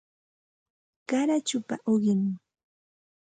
Qarachupa uqim